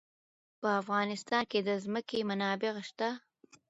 په افغانستان کې د ځمکه منابع شته.